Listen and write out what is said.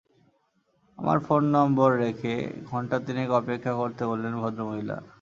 আমার phone number রেখে ঘণ্টা তিনেক অপেক্ষা করতে বললেন ভদ্র মহিলা।